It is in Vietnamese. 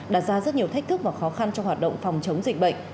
đặt ra rất nhiều thách thức và khó khăn trong hoạt động phòng chống dịch bệnh